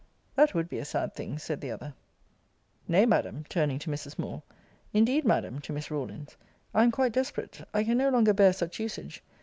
That would be a sad thing! said the other. Nay, Madam, [turning to Mrs. Moore,] Indeed, Madam, [to Miss Rawlins,] I am quite desperate. I can no longer bear such usage.